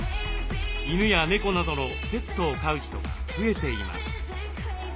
犬や猫などのペットを飼う人が増えています。